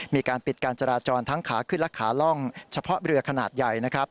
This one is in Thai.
มีการปิดการจราจรทั้งขาขึ้นและขาล่องเฉพาะเรือขนาดใหญ่นะครับ